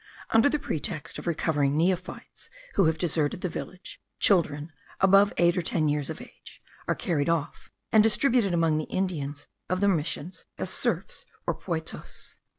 Under the pretext of recovering neophytes who have deserted the village, children above eight or ten years of age are carried off, and distributed among the Indians of the missions as serfs, or poitos.